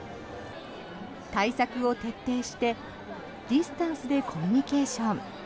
対策を徹底して、ディスタンスでコミュニケーション。